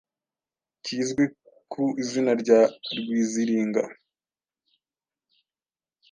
kizwi ku izina rya Rwiziringa.